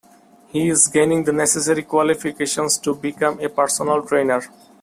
He is gaining the necessary qualifications to become a personal trainer.